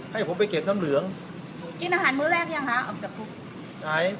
ให้ผมไปเก็บทั้งเหลืองกินอาหารมือแรกยังคะออกจากใช่